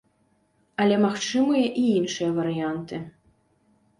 Але магчымыя і іншыя варыянты.